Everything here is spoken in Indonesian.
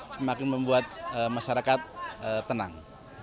semakin membuat masyarakat tenang